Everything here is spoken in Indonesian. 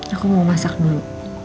aku mau masak dulu